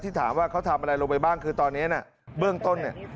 ถามว่าเขาทำอะไรลงไปบ้างคือตอนนี้น่ะเบื้องต้นเนี่ย